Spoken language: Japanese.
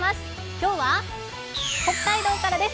今日は北海道からです。